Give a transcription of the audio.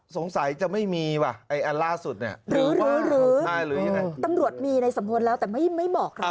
สงสัยจะไม่มีว่ะอันล่าสุดหรือตำรวจมีในสมพวนแล้วแต่ไม่บอกเรา